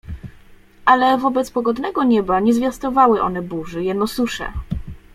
Ale wobec pogodnego nieba nie zwiastowały one burzy, jeno suszę.